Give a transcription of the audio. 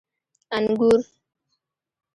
🍇 انګور